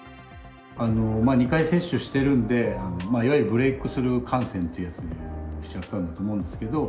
２回接種してるんで、いわゆるブレークスルー感染というやつになっちゃったと思うんですけど。